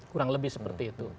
kurang lebih seperti itu